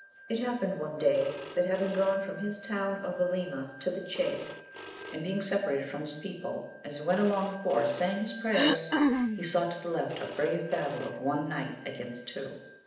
It happened one day, that having gone from his town of Alima to the chace, and being separated from his people, as he went along the forest saying his prayers, he saw to the left a brave battle of one knight against two.